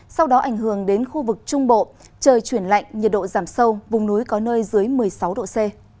sau đó ảnh hưởng đến khu vực trung bộ trời chuyển lạnh nhiệt độ giảm sâu vùng núi có nơi dưới một mươi sáu độ c